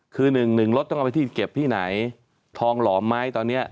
คือหนึ่งหนึ่งรถต้องเอาไปที่เก็บที่ไหนทองหลอมไหมตอนนี้